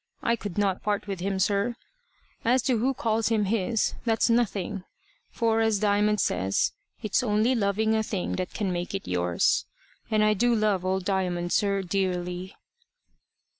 I could not part with him, sir. As to who calls him his, that's nothing; for, as Diamond says, it's only loving a thing that can make it yours and I do love old Diamond, sir, dearly."